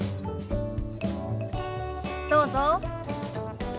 どうぞ。